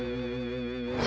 thank you buah